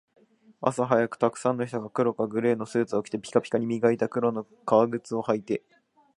朝早く、沢山の人が黒かグレーのスーツを着て、ピカピカに磨いた黒い革靴を履いて